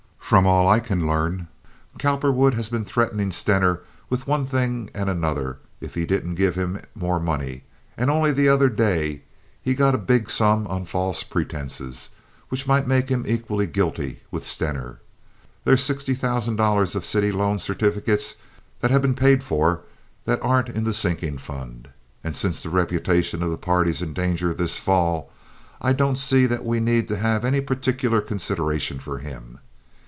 From all I can learn, Cowperwood's been threatenin' Stener with one thing and another if he didn't give him more money, and only the other day he got a big sum on false pretinses, which might make him equally guilty with Stener. There's sixty thousand dollars of city loan certificates that has been paid for that aren't in the sinking fund. And since the reputation of the party's in danger this fall, I don't see that we need to have any particular consideration for him."